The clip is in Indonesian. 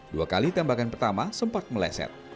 dua kali tembakan pertama sempat meleset